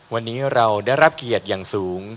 วันนี้เราได้รับเกียรติอย่างสูง